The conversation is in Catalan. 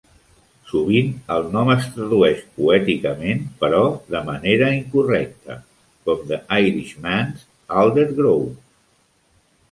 Sovint, el nom es tradueix "poèticament", però de manera incorrecta, com "The Irishman's Alder Grove".